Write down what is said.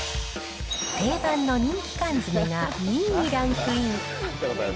定番の人気缶詰が２位にランクイン。